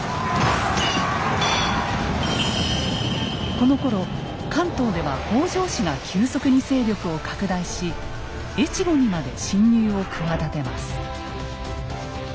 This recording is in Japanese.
このころ関東では北条氏が急速に勢力を拡大し越後にまで侵入を企てます。